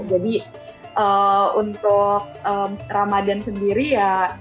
jadi untuk ramadan sendiri ya